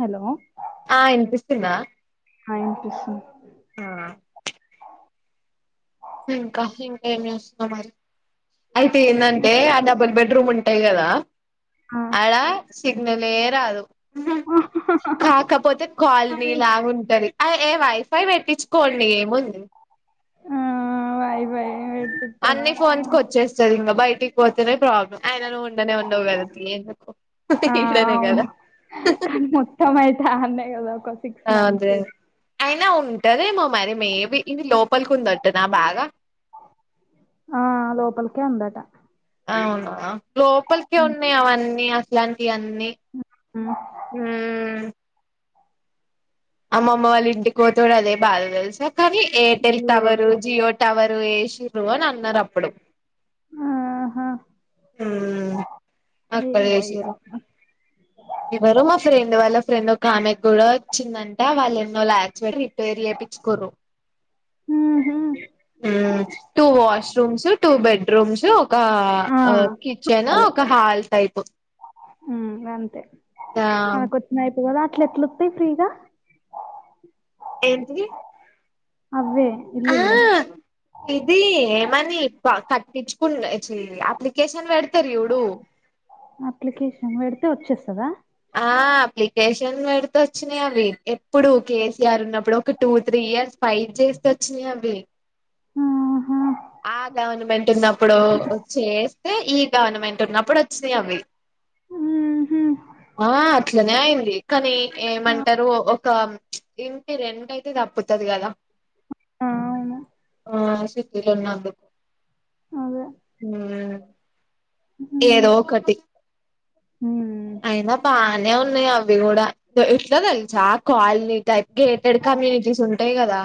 Hello. ఆ వినిపిస్తుందా. ఆమె వినిపిస్తుంది. ఆ. ఇంకా ఇంకా ఏం చేస్తున్నావ్ మరి. అయితే ఏందంటె ఆ డబుల్ బెడ్రూమ్ ఉంటయి కదా ఆ అడ. సిగ్నల్ ఏ రాదు కాకపోతే కాలనీ లాగా ఉంటది. అ ఏ వైఫై పెట్టించుకోండి ఏముంది. వైఫై. అన్ని ఫోన్స్కి వచ్చేస్త. ది బయటికి పోతేనే ప్రాబ్లమ్ ఐనా నువ్వు ఉండనే ఉండవు కదా తియ్యి ఎందుకు. ఆ ఈడనే కదా అవును కానీ మొత్తం అయితే అన్నే కదా ఒక సిక్స్ అదే మంత్స్. అయినా ఉంటదేమో మరి మేబీ ఇది లోపలికి ఉందంటన బాగా. ఆ లోపలికే ఉందాటా. అవునా లోపలికే ఉన్నాయి అవన్నీ అట్లాంటియన్నీ. ఉమ్ ఉమ్ అమ్మమ్మ వాళ్ళ ఇంటికి పోతడు అదే బాధ తెలుసా కానీ ఎయిర్టెల్ టవరు జియో టవరు ఏయ్షన్రూ అని అన్నారు అప్పుడు హా ఉమ్ అక్కడ్ ఇగ ఏసిరు. ఎవరో మా ఫ్రెండ్ వాళ్ళ ఫ్రెండ్ ఒక ఆమెకు కూడా వచ్చిందంటే వాళ్ళ ఎన్నో లాక్స్ పెట్టి రిపేర్ చేయిచ్చుకోరు two washrooms two bedrooms ఒక ఆ కిచెన్ వాళ్ళు. ఒక హాల్ టైప్ ఉమ్ అంతే ఆ మనకు వచ్చిన అయిపోవు కదా అట్ల ఎట్ల వతయి ఫ్రీగా. ఏంటిది? అవ్వే ఆ ఇల్లులు ఇది ఏమని కట్టించుకున్న ఛీ అప్లికేషన్ పెడతారు చూడు అప్లికేషన్ పెడితే వచ్చేస్తదా. ఆ అప్లికేషన్స్ వెడితే వచ్చినాయి అవి ఎప్పుడు కేసీఆర్ ఉన్నప్పుడు ఒక టూ త్రీ ఇయర్స్ ఫైట్ చేస్తే వచ్చినయి అవ్వి ఆహా ఆ గవర్నమెంట్ ఉన్నప్పుడు చేస్తే ఈ గవర్నమెంట్ ఉన్నప్పుడు వచ్చినాయి అవి ఊహూ ఆ అట్లనే అయింది కానీ ఆ! ఏమంటారు ఒక ఇంటి రెంట్ అయితే తప్పుతది కదా అవును. ఆ సిటీల ఉన్నందుకు అదే. ఉమ్ ఏదో ఒకటి ఉమ్ అయినా బాగానే ఉన్నాయి అవి కూడా ఎట్ల తెలుసా ఆ కాలనీ గేటెడ్ కమ్యూనిటీస్ ఉంటాయి కదా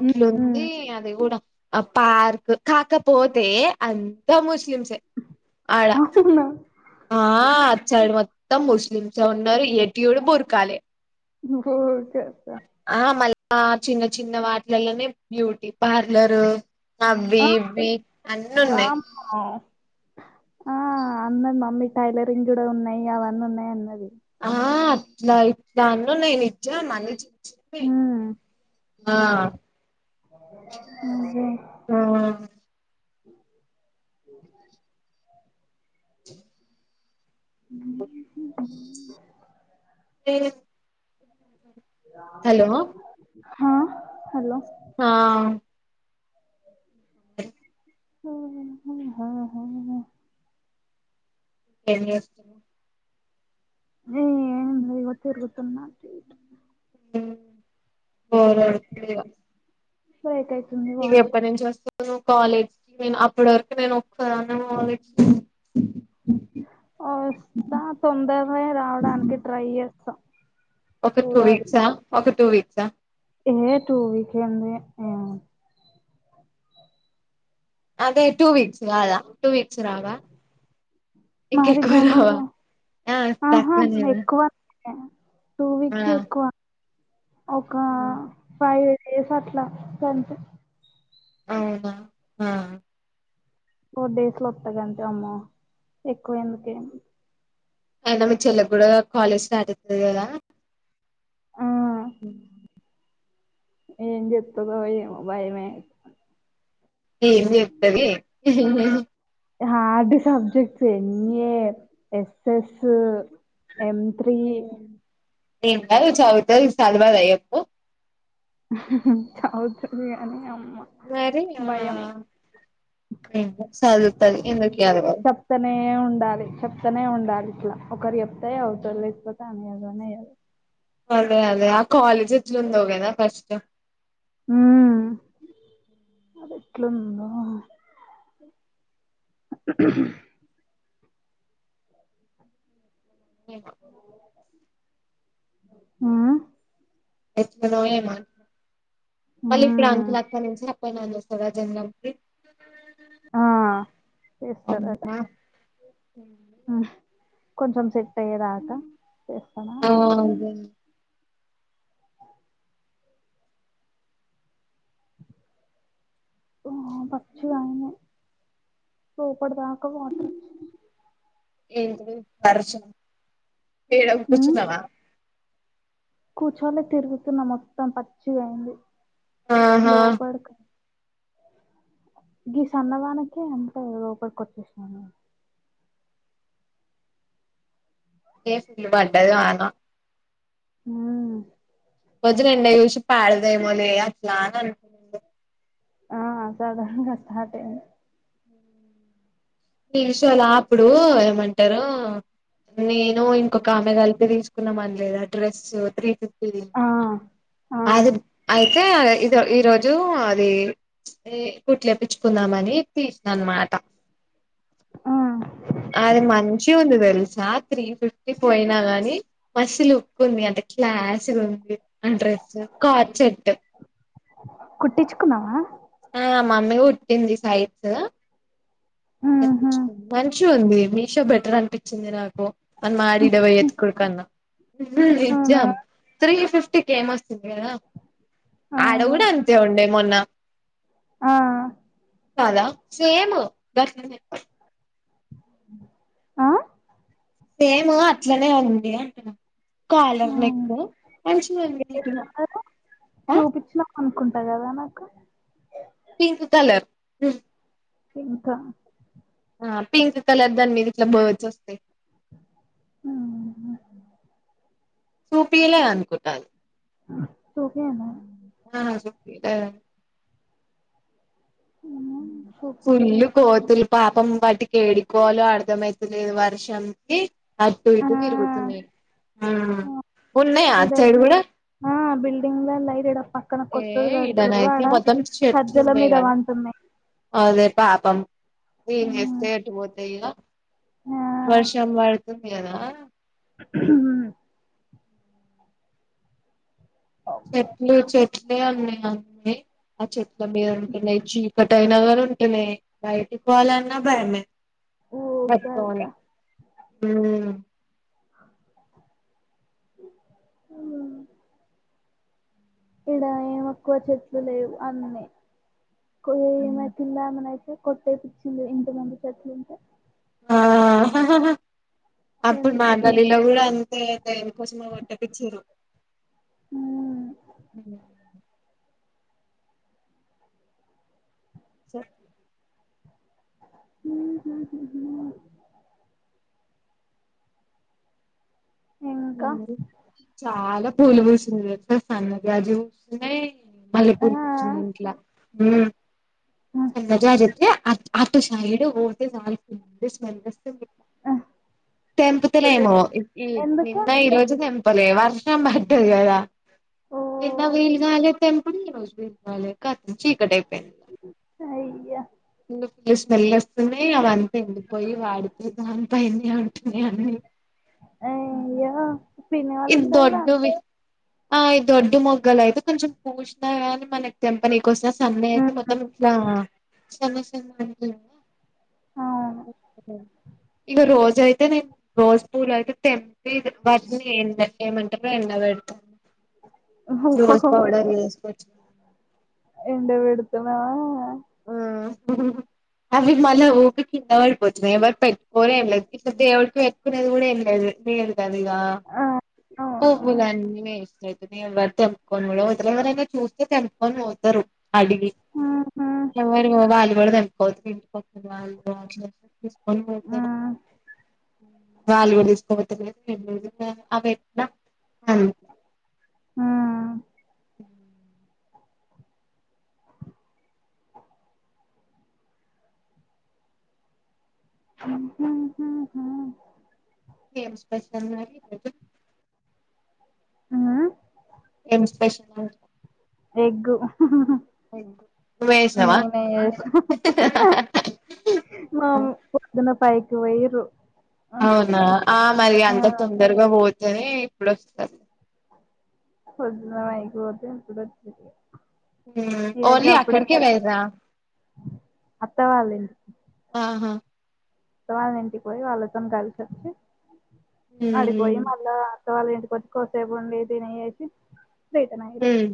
హ్మ్. హ్మ్. అది కూడా ఆ పార్క్ కాకపోతే అంత ముస్లిమ్స్ ఎ అవున ఆ అటు సైడ్ మొత్తం ముస్లిమ్స్ ఉన్నారు ఎటు చూడు బురకాలే. హో కథా ఆ మళ్ళా చిన్న చిన్న వాటిలల్లనే బ్యూటీ పార్లరు అవి ఇవి అన్నీ ఉన్నయి. ఆ వామ్మో! ఆ అన్నది మమ్మీ టైలరింగ్ కూడా ఉన్నాయి అవన్నీ ఉన్నాయి అన్నది. ఆ అట్లా ఇట్లా అన్ని ఉన్నాయి నిజం హ్మ్. ఆ ఉహు ఆ ఓ [inaudible] [inaudible] బ [inaudible] మ్ ఏ హా హలో ఆ [inaudible] ఏం చేస్తునా ఏం లే ఇగో తిరుగుతున్న మ్మ్ బోర్ కోడు బ్రేక్ అయితుంది ఇది వాయిస్. ఎప్పడి నుంచి వస్తే నేను కాలేజ్‌కి పోయిన అప్పటి వరకు నేను ఒక్కదాన్నే పోవాలి వస్తా తొందరనే రావడానికి ట్రై చేస్తా ఒక టూ చూడాలి. వీక్సా ఒక టూ వీక్సా ఏ టూ వీక్స్ ఏంది ఏం అదే టూ వీక్స్ కాదా టూ వీక్స్ రావా మరి ఇంకెక్కువే రావా గన్నరు ఆ ఆహా తక్కువ నేనా ఎక్కువ టూ వీక్స్ ఎక్కువ ఒక ఆ ఫైవ్ డేస్ అట్లా గంతే అవునా ఆ ఫోర్ డేస్లో వత్తా గంతే అమ్మో ఎక్కువ ఎందుకే అయినా మీ చెల్లేకి కూడా కాలేజ్ స్టార్ట్ అయితది కదా ఆ ఉమ్ ఏం చెప్తాదో ఏమో భయమే ఏం చెప్తది hard subjects ఎన్ఏ SS M three ఏ కాదు చదువుతాది సదవదా చెప్పు చదువుతాది కాని అమ్మ మరి ఆ భయం ఏమో సాదువుతాది ఎందుకే అనుమానం ప్తనే ఉండాలి చెప్తనే ఉండాలి ఇట్లా ఒకరు చెప్తే చదువుతాది లేకపోతే ఆమె చదువనే అదే అదే ఆ కాలేజ్ ఎట్లుందో కదా ఫస్ట్ ఉమ్మ్ అది ఎట్లుందో అ ఏమో ఉమ్మ్ ఎట్లానో ఏమో మళ్ళీ ఇప్పుడు ఉమ్ అంకుల్ అక్కడి నుంచి అప్ అండ్ డౌన్ చేస్తారా జనరల్ ఆ అమ్మా మ్మ్ కొంచెం సెట్ అయ్యేదాకా చేస్తానా అవున్రా ఆ పచ్చి గాయమే రేపటిదాకా వాటర్ ఏంటిది వర్షం ఎడ ఉమ్ కూర్చున్నావా కూర్చోలే తిరుగుతున్న మొత్తం పచ్చిగా అయింది ఆహా లోపడికి గి సన్నదానికే అంటే లోపలికి వచ్చేసినానే ఏ ఫుల్ పడ్డది వాన ఉమ్మ్ వజ్ రెండైయ్ చూసి పాడదేమోలే అట్లా అని అనుకున్నా ఆ సడన్గా స్టార్ట్ అయింది మీ షోలో అపుడు ఏమంటారు నేను ఇంకొక ఆమె కలిపి తీసు కున్నాం అనలేదా డ్రెస్ త్రీ ఫిఫ్టీది ఆ ఆ అది అయితే ఇది ఈరోజు అది ఏ కుట్లేయిచ్చుకున్నామని తీసిన అనమాట ఆ అది మంచిగ ఉంది తెలుసా త్రీ ఫిఫ్టీ పోయినా గాని మస్ లుక్ ఉంది అంట క్లాస్గా ఉంది అ డ్రెస్ కాచట్ కుట్టించుకున్నావా ఆ మమ్మీ కుటింది సైడ్ ఉహు మంచి ఉంది మీషో బెటర్ అనిపించింది నాకు మనం ఆడ ఈడ ఓయ్ ఎత్తుకోడం కన్నా అవునా నిజ్జం త్రీ ఫిఫ్టీకి ఎమస్ తే కదా ఆడ అవును కూడా అంతే ఉండే మొన్న ఆ కాద సేమ్ గట్లనే ఆ సేము అట్లనే ఉంది అంటున్నా ఆ. కాలర్ నెక్ మంచిది ఏ అనుకుంటున్న కలరు చూపించినాం అనుకుంటా కదా నాకు పింక్ కలర్ ఇంకా పింక్ కలర్ దండి ఇట్లా బర్డ్స్ వస్తాయి మ్మ్. సూపిలే అనుకుంటా అది సోకే చెప్పదే మ్మ్. చూపించిన ఫుల్లు కోతులు పాపం వాటికి ఏడికోవాలో అర్ధమ్ అయితలేదు వర్షమ్కి అటు ఆ, ఇటు తిరుగుతున్నాయి ఆ ఉన్నాయ ఈడ అట్ సైడ్ కూడా ఆ బిల్డింగ్ లో యిట్డ పక్కన ఏ కొత్తరు కడుతురు ఈడనైతే ఆడ మొత్తం చెట్లు సజ్జల ఉన్నాయి మీద కదా వంటన్నాయి అదే పాపం ఎం ఎస్తే ఎటు పోతాయ్య వర్షం వాడు తుంది కదా ఉమ్ చెట్లు చెట్లే ఉన్నాయి అన్నాయి ఆ చెట్ల మీద ఉంటున్నాయి చీ ఒకటైనా గాని ఉంటన్నయి బయటికి పోవాలి అన్న భయమే ఉ ఊకంతా [unintelligible] ఉమ్ అ ఇడ ఏమక్కువ చెట్లు లేవు అన్న ఏమ కిల్లా ఏమనాతే కొట్టేపిచ్చింది ఇంటి ముందు చెట్లుంటే ఆ అప్పుడు మా ఎందుకో గల్లీలో గుడా అంతె దేని కోసమే కొట్టి పిచ్చిరు స ఉమ్ హు హు ఇంకా చాలా పూలు బూసింది తెలుసా సన్న జాజీ పూస్తున్నాయి ఆ మల్లెపూలు పుచ్చింది ఇంట్లో సన్న జాజి అయితే అటు సైడ్ ఓతే గాల్ స్మెల్ వస్తది తెంపుతాలేము ఎందుకు ఈ రోజు తెంపలే వర్షం పడ్డది కదా ఓ నిన్న వీలుకాలే తెంపుడు ఈ రోజు వీలుకాలే ఖతం చీకటై పెళ్ళా అయ్యా ఫుల్లు స్మెల్ వస్తున్నాయి అవంతా ఎండిపోయి వాడితే దాని పైనే ఉంటున్నాయి అన్నీ ఊహూ అయ్యో పిన్ని వాళ్ళ ఇది ఇంట్లో కూడా దొడ్డువి ఆ ఈ దొడ్డు మొగ్గలు అయితే కొంచెం పూషినాయి కానీ మనకి తెంపనీకు వస్సినా సండే అయితే మొత్తం ఇట్లా సన్న సన్న అంటే కూడా అవును ఇగ రోజు అయితే నేను రోజ్ పూలు అయితే తెంపి వాటిని ఏంలా ఏమంటారు ఎండ పెడతాను రోస్ ఓహో పౌడర్ చేసుకో ఎండ పెడుతున్నా ఊ అవి మళ్ళా ఊకే కింద పడిపోతున్నాయి ఎవరు పెట్కోరు ఏం లే ఇక దేవుడికి పెట్టుకునేది కూడా ఏం లేదు లేదు కదిగా ఆ పువ్వులన్నీ మేస్తాయి ఎవరు తెంపుకొని కూడా పోతారు ఎవరైనా చూస్తే తెంపుకొని పోతారు అడిగి ఎవరివో వాళ్ళు కూడా తెంపుకోవచ్చు [inaudible] తీసుకోని పొతారు అవును వాళ్ళు కూడా తీసుకోపోతారు ఇగ [inaudible] అవేట్ల అవి ఆ హ [inaudible] ము ముహు ముహు ఏం స్పెషల్ మరి [inaudible] రోజు ఆ ఏం స్పెషలు ఎగ్గు నువ్వు వేసినావా నేనే ఏసినా మామ్ పొద్దున ఫైవ్ కి పొయ్యిర్రు అవునా ఆ మరి అంత తొందరగా పోతేనే ఇప్పుడొస్తది పొద్దున ఐదుకు పోతే ఇప్పుడొచ్చిర్రు ఓన్లీ అక్కడికే వెళ్ళరా అత్తవాల్లి ఆహా త్త వాళ్ళ ఇంటికి పోయి వాళ్ళతోని కలిసొచ్చి ఊ పడిపోయి మళ్ళా అత్త వాళ్ళ ఇంటికి వచ్చి కోసేపు ఉండి తినేసి వేతనా ఐతే ఇగ మ్మ్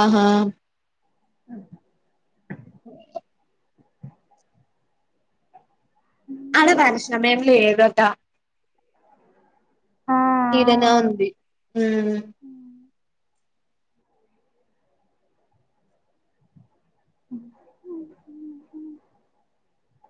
ఆహా [inaudible] ఆల వర్షం ఏం లేదట ఆ ఈడనే అవును ఉంది ఊమ్ అఓ [unintelligible]